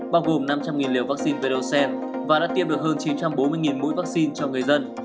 bao gồm năm trăm linh liều vaccine pedrocen và đã tiêm được hơn chín trăm bốn mươi mũi vaccine cho người dân